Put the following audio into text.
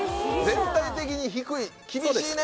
全体的に低い厳しいね